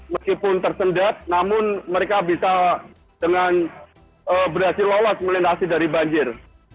meskipun tersendat namun mereka bisa dengan berhasil lolos melintasi dari banjir